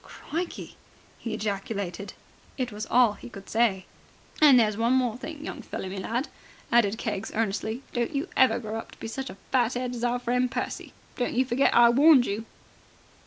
"Crikey!" he ejaculated. It was all that he could say. "And there's one more thing, young feller me lad," added Keggs earnestly, "don't you ever grow up to be such a fat'ead as our friend Percy. Don't forget I warned you."